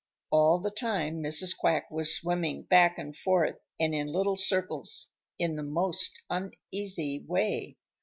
All the time Mrs. Quack was swimming back and forth and in little circles in the most uneasy way.